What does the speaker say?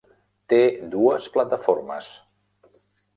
Té dues plataformes.